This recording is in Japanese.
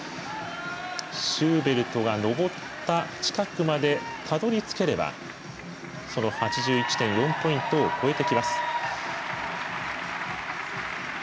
シューベルトが登った近くまでたどり着ければ８１．４ポイントを超えてきます。